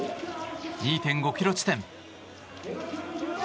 ２．５ｋｍ地点。